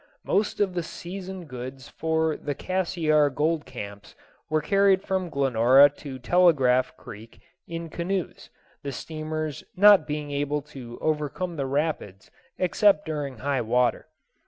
Most of the season goods for the Cassiar gold camps were carried from Glenora to Telegraph Creek in canoes, the steamers not being able to overcome the rapids except during high water.